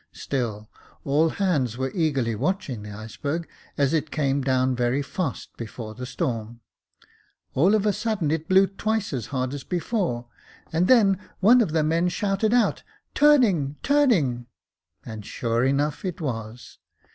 Still all hands were eagerly watching the iceberg, as it came down very fast before the storm. All of a sudden it blew twice as hard as before, and then one of the men shouted out —* Turning, turning !'— and sure enough it was.